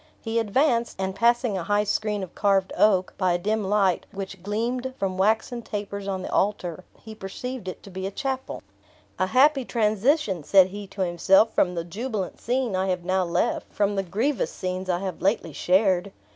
He advanced, and passing a high screen of carved oak, by a dim light, which gleamed from waxen tapers on the altar, he perceived it to be the chapel. "A happy transition," said he to himself, "from the jubilant scene I have now left; from the grievous scenes I have lately shared!